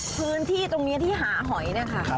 พื้นที่ตรงนี้ที่หาหอยนะครับ